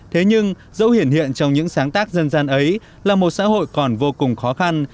thế nhưng dẫu hiển hiện hiện trong những sáng tác dân gian ấy là một xã hội còn vô cùng khó khăn